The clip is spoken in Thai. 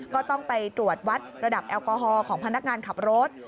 ก็ต้องไปตรวจวัดระดับแอลกอฮอลของพนักงานขับรถ